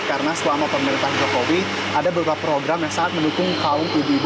karena selama pemerintahan jokowi ada beberapa program yang saat mendukung kaum ibu ibu